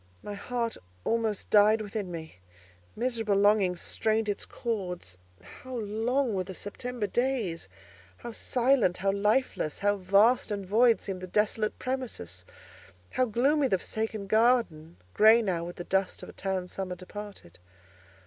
My heart almost died within me; miserable longings strained its chords. How long were the September days! How silent, how lifeless! How vast and void seemed the desolate premises! How gloomy the forsaken garden—grey now with the dust of a town summer departed.